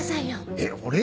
えっ俺？